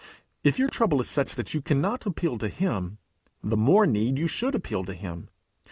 If your trouble is such that you cannot appeal to him, the more need you should appeal to him!